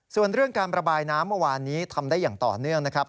ส่วนเรื่องการระบายน้ำเมื่อวานนี้ทำได้อย่างต่อเนื่องนะครับ